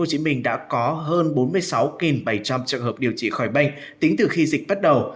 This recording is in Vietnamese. tp hcm đã có hơn bốn mươi sáu bảy trăm linh trường hợp điều trị khỏi bệnh tính từ khi dịch bắt đầu